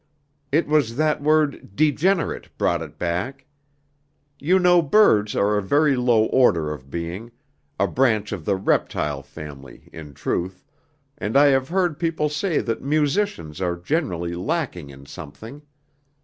"It was that word 'degenerate' brought it back. You know birds are a very low order of being, a branch of the reptile family, in truth, and I have heard people say that musicians are generally lacking in something.